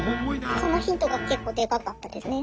そのヒントが結構デカかったですね。